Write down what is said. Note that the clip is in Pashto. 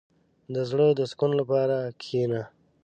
• د زړۀ د سکون لپاره کښېنه.